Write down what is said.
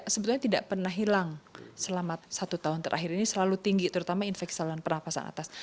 sebetulnya tidak pernah hilang selama satu tahun terakhir ini selalu tinggi terutama infeksi saluran pernafasan atas